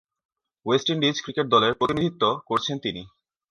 West Indies cricket দলের প্রতিনিধিত্ব করছেন তিনি।